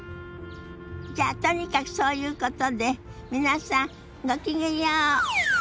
じゃとにかくそういうことで皆さんご機嫌よう。